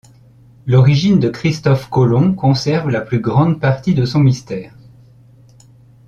L'origine de Christophe Colomb conserve la plus grande partie de son mystère.